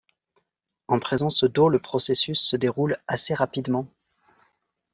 En présence d'eau, le processus se déroule assez rapidement.